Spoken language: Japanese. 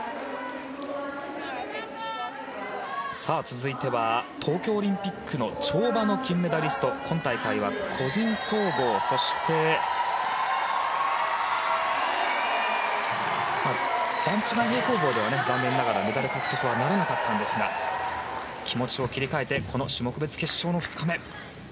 続いては、東京オリンピックの跳馬の金メダリスト今大会、段違い平行棒では残念ながらメダル獲得はなりませんでしたが気持ちを切り替えてこの種目別決勝の２日目。